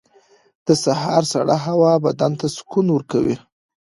• د سهار سړه هوا بدن ته سکون ورکوي.